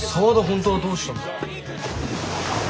本当はどうしたんだ？